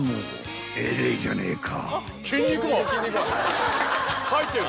［偉えじゃねえか］